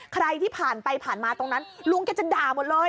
ใครที่ผ่านไปผ่านมาตรงนั้นลุงแกจะด่าหมดเลย